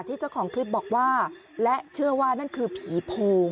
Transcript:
เจ้าของคลิปบอกว่าและเชื่อว่านั่นคือผีโพ